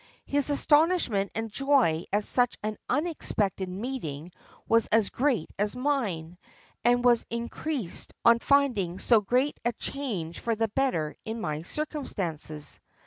His astonishment and joy at such an unexpected meeting was as great as mine, and was increased on finding so great a change for the better in my circumstances.